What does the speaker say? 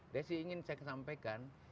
desi ingin saya sampaikan